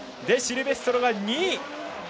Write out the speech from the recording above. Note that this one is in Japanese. デシルベストロが２位。